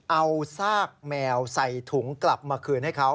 เอาซากแมวใส่ถุงกลับมาคืนให้เขา